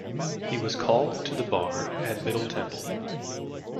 He was called to the Bar at Middle Temple.